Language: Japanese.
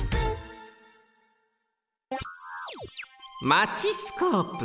マチスコープ。